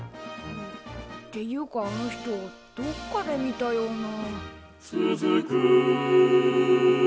っていうかあの人どっかで見たような。